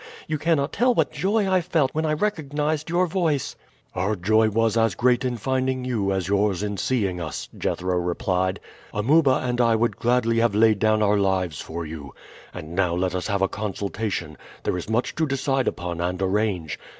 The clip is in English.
You cannot tell what joy I felt when I recognized your voice." "Our joy was as great in finding you as yours in seeing us," Jethro replied. "Amuba and I would gladly have laid down our lives for you. And now let us have a consultation; there is much to decide upon and arrange.